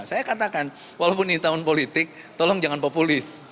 saya katakan walaupun ini tahun politik tolong jangan populis